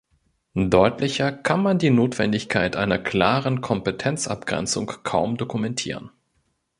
Deutlicher kann man die Notwendigkeit einer klaren Kompetenzabgrenzung kaum dokumentieren.